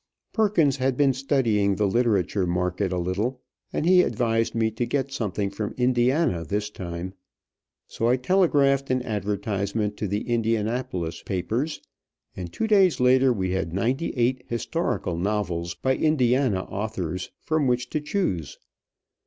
Perkins had been studying the literature market a little, and he advised me to get something from Indiana this time; so I telegraphed an advertisement to the Indianapolis papers, and two days later we had ninety eight historical novels by Indiana authors from which to choose.